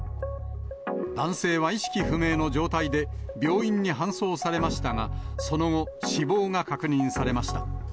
男性は意識不明の状態で、病院に搬送されましたが、その後、死亡が確認されました。